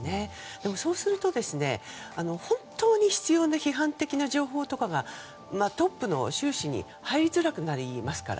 でも、そうすると本当に必要な批判的な情報とかがトップの習氏に入りづらくなりますから。